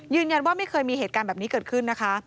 ยืนยันว่าไม่เคยมีเหตุการณ์แบบนี้เกิดขึ้นนะคะ